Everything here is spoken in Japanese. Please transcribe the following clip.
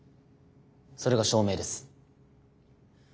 それが証明です。